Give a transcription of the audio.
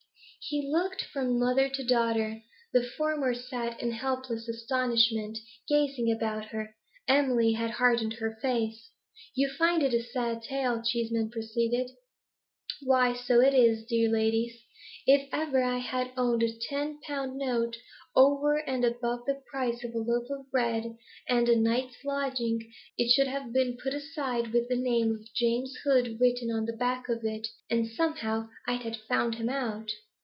He looked from mother to daughter. The former sat in helpless astonishment, gazing about her; Emily had hardened her face. 'You find it a sad tale,' Cheeseman proceeded. 'Why, so it is, dear ladies. If ever I had owned a ten pound note, over and above the price of a loaf of bread and a night's lodging, it should have been put aside with the name of James Hood written on the back of it, and somehow I'd have found him out.